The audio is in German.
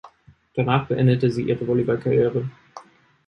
Danach beendete sie ihre Volleyballkarriere.